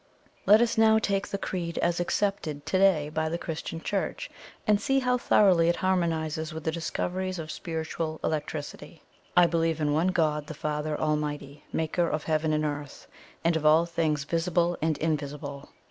"Let us now take the Creed as accepted to day by the Christian Church, and see how thoroughly it harmonizes with the discoveries of spiritual electricity. 'I believe in one God the Father Almighty, Maker of Heaven and Earth, and of all things VISIBLE AND INVISIBLE.'